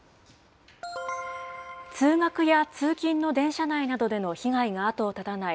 通学や通勤の電車内などでの被害が後を絶たない